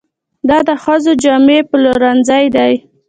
دا د ښځو جامې پلورنځی دی.